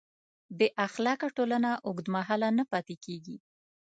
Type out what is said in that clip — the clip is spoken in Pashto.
بېاخلاقه ټولنه اوږدمهاله نه پاتې کېږي.